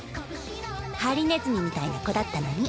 ハリネズミみたいな子だったのに。